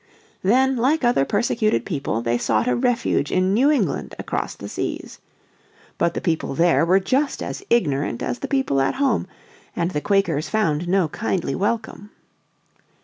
Then, like other persecuted people, they sought a refuge in New England across the seas. But the people there were just as ignorant as the people at home, and the Quakers found no kindly welcome.